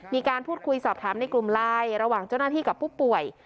มีการพูดคุยสอบถามในกลุ่มไลน์ระหว่างเจ้าหน้าที่กับผู้ป่วย